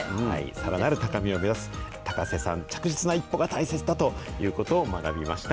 さらなる高みを目指す高瀬さん、着実な一歩が大切だということを学びました。